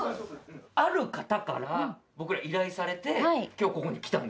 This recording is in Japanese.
ある方から僕ら依頼されて今日ここに来たんです。